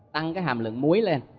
tăng cái hàm lượng muối lên